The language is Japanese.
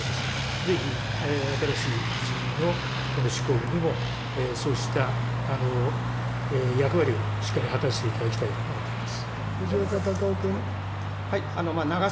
ぜひ新しい日銀の執行部にも、そうした役割をしっかり果たしていただきたいと思っています。